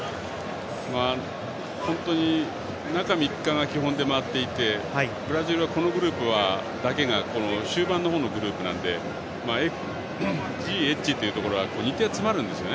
本当に中３日が基本で回っていてブラジルはこのグループだけが終盤のほうのグループなのでＧ、Ｈというところは日程が詰まるんです。